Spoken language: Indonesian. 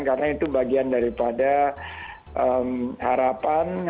karena itu bagian daripada harapan